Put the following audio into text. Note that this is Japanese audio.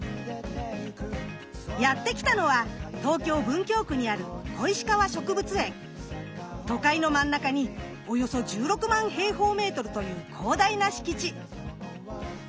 やって来たのは東京・文京区にある都会の真ん中におよそ１６万平方メートルという広大な敷地。